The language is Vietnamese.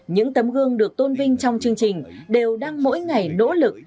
những tấm gương được tôn vinh trong chương trình đều đang mỗi ngày nỗ lực